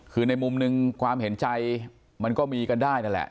คือในมุมหนึ่งความเห็นใจมันก็มีกันได้นั่นแหละ